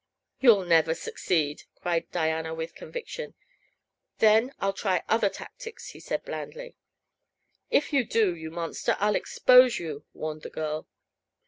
"You'll never succeed!" cried Diana, with conviction. "Then I'll try other tactics," said he blandly. "If you do, you monster, I'll expose you," warned the girl.